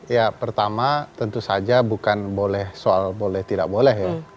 ya pertama tentu saja bukan boleh soal boleh tidak boleh ya